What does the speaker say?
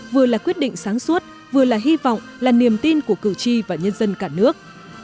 vừa là quyết định sáng suốt vừa là hy vọng là niềm tin của cử tri và nhân dân cả nước